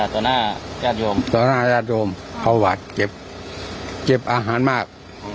ต่อหน้าญาติโยมต่อหน้าญาติโยมเขาหวาดเจ็บเจ็บอาหารมาก